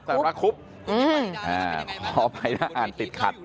เพราะไม่ได้อ่านติดขัด